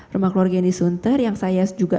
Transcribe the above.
rumah keluarga yang disunter yang saya juga